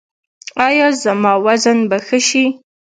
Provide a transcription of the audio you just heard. ایا زما وزن به ښه شي؟